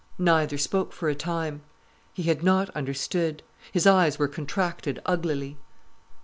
Neither spoke for a time. He had not understood. His eyes were contracted uglily.